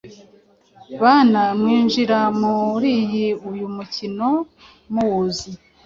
Bana mw’injira muriyi uyu mukino muwuzi